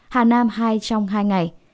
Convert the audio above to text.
hà nam hai trong hai ngày